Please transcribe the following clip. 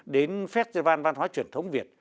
đến festival văn hóa truyền thống việt